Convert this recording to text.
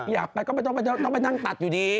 อยากไปก็จะต้องไปตัดอยู่ดี